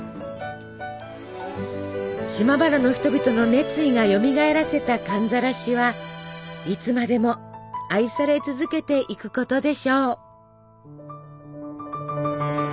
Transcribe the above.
島原の人々の熱意がよみがえらせた寒ざらしはいつまでも愛され続けていくことでしょう。